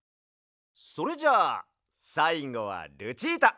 それじゃあさいごはルチータ！